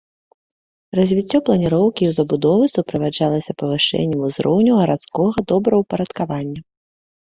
Развіццё планіроўкі і забудовы суправаджалася павышэннем узроўню гарадскога добраўпарадкавання.